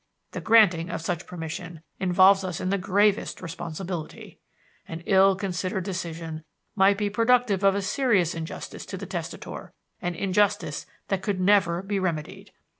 The granting of such permission involves us in the gravest responsibility. An ill considered decision might be productive of a serious injustice to the testator, an injustice that could never be remedied.